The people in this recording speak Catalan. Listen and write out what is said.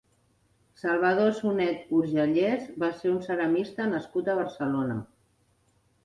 Salvador Sunet Urgellès va ser un ceramista nascut a Barcelona.